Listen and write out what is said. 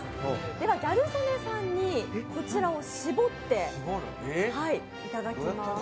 では、ギャル曽根さんにこちらを搾っていただきます。